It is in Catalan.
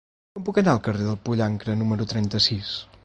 Com puc anar al carrer del Pollancre número trenta-sis?